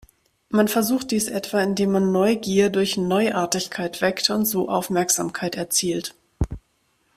Man versucht dies etwa, indem man Neugier durch „Neuartigkeit“ weckt und so Aufmerksamkeit erzielt.